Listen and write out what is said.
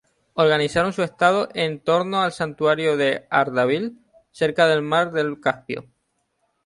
Organizaron su estado en torno al santuario de Ardabil, cerca del mar Caspio.